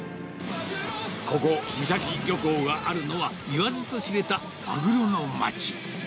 ここ、三崎漁港があるのは、言わずと知れたマグロの町。